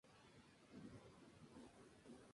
El grupo regresó a "M!